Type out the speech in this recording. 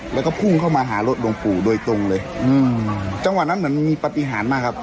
แล้วก็พุ่งเข้ามาหารถหลวงปู่โดยตรงเลยอืมจังหวะนั้นเหมือนมีปฏิหารมากครับ